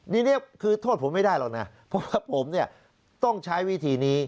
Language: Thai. ทีนี้คือโทษผมไม่ได้หรอกนะเพราะว่าผมเนี่ยต้องใช้วิธีนี้